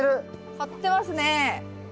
張ってますね。